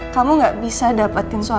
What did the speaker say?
kamu gak bisa dapetin suara